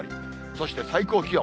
そして最高気温。